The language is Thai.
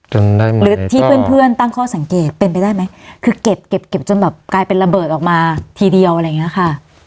หรือที่เพื่อนเพื่อนตั้งข้อสังเกตเป็นไปได้ไหมคือเก็บเก็บจนแบบกลายเป็นระเบิดออกมาทีเดียวอะไรอย่างเงี้ยค่ะ